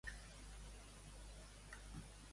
Quan van anar a Egipte Aser i els seus germans?